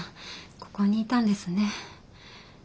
ここにいたんですね。